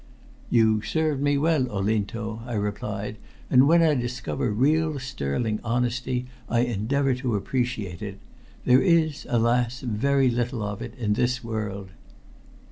"You served me well, Olinto," I replied, "and when I discover real sterling honesty I endeavor to appreciate it. There is, alas! very little of it in this world."